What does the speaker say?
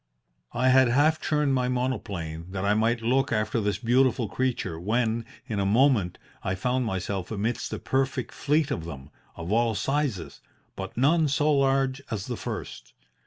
"I had half turned my monoplane, that I might look after this beautiful creature, when, in a moment, I found myself amidst a perfect fleet of them, of all sizes, but none so large as the first.